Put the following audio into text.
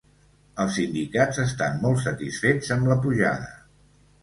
Els sindicats estan molt satisfets amb la pujada